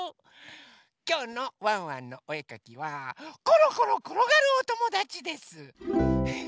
きょうの「ワンワンのおえかき」はコロコロころがるおともだちです。